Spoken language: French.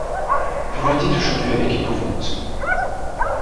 Vous le dites aujourd’hui avec épouvante.